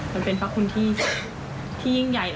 มันเป็นทรัพย์คุณที่ยิ่งใหญ่แล้ว